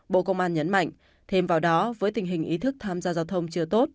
bộ công an nhấn mạnh thêm vào đó với tình hình ý thức tham gia giao thông chưa tốt